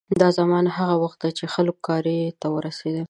دا زمانه هغه وخت ده چې خلک کارایب ته ورسېدل.